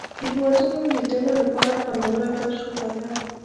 د هېوادونو لیدلو لپاره خوندوره تجربه ده.